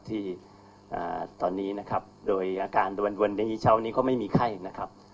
ที่ตอนนี้นะครับโดยอาการวันนี้เช้านี้ก็ไม่มีไข้นะครับ